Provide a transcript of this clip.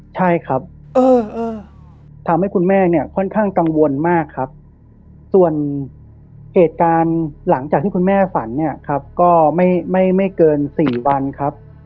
ใช่ครับทำให้คุณแม่เนี่ยค่อนข้างกังวลมากครับส่วนเหตุการณ์หลังจากที่คุณแม่ฝันเนี่ยครับก็ไม่เกิน๔วันครับ